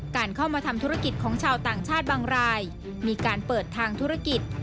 การเข้ามาทำธุรกิจของชาวต่างชาติบางรายมีการเปิดทางธุรกิจ